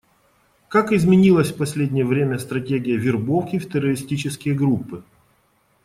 Как изменилась в последнее время стратегия вербовки в террористические группы?